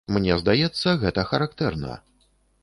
Мне здаецца, гэта характэрна.